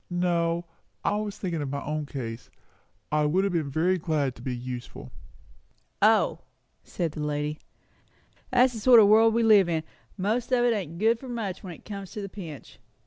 "No I was thinking of my own case. I would have been very glad to be useful." "O!" said the lady. "That's the sort o' world we live in; most of it ain't good for much when it comes to the pinch.